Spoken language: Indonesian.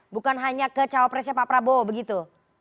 bukan hanya ke cawapresnya pak prabowo begitu